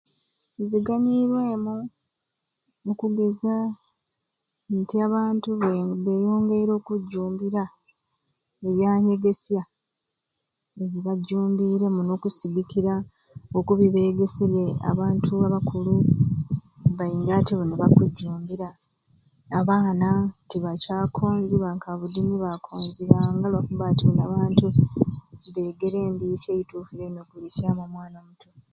Nziganywirwemu okugeza nti abantu beeyo... beeyongeire okujumbira ebyanyegesya e bajumbiire muno okusigikira oku bibegeserye abantu abakulu baingi ati buni bakujumbira abaana tibacaakonziba nka budi nibaakonzibanga olwa kubba nti abantu beegere endiisya egituufu gyolina okuliisyamu omwana omuto